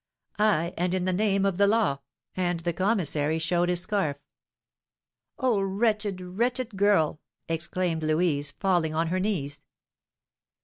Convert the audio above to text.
"I, and in the name of the law;" and the commissary showed his scarf. "Oh, wretched, wretched girl!" exclaimed Louise, falling on her knees.